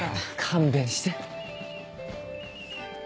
勘弁して。